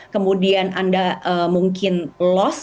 kemudian anda mungkin loss